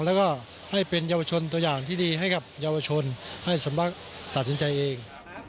แล้วก็ให้เป็นเยาวชนตัวอย่างที่ดีให้กับเยาวชนให้สำนักตัดสินใจเอง